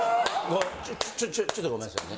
・ちょちょっとごめんなさいね。